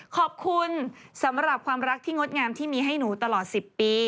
ขอบคุณสำหรับความรักที่งดงามที่มีให้หนูตลอด๑๐ปี